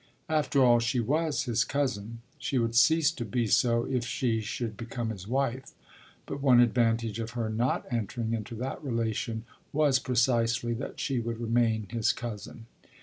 After all she was his cousin; she would cease to be so if she should become his wife; but one advantage of her not entering into that relation was precisely that she would remain his cousin.